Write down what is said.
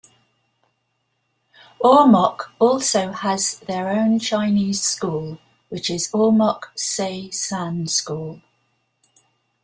Ormoc also has their own Chinese school which is Ormoc Se San School.